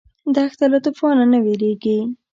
دښته له توفانه نه وېرېږي.